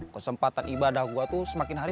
kesempatan ibadah gue tuh semakin hari